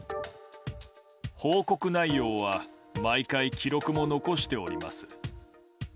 報告内容は毎回、記録も残しております。